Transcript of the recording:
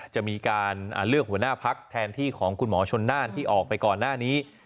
จะมีการเลือกหัวหน้าพักแทนที่ของคุณหมอชนน่านที่ออกไปก่อนหน้านี้